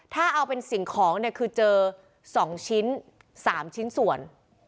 ถ้าเอาเป็นสิ่งของเนี่ยคือเจอ๒ชิ้น๓ชิ้นส่วน